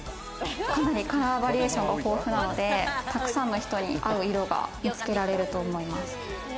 かなりカラーバリエーションが豊富なので、沢山の人に合う色が見つけられると思います。